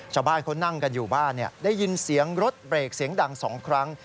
ชวบ้านคนนั่งกันอยู่บ้านเนี่ยได้ยืนเสียงรถเปรคเสียงดัง๒ครั้ง